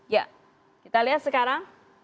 ya kita lihat sekarang